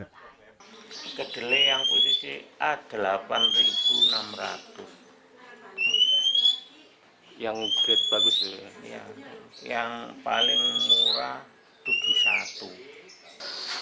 harga kedelai yang menjadi bahan utama tempe ini adalah rp delapan enam ratus